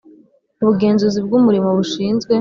Ubugenzuzi bw umurimo bushinzwe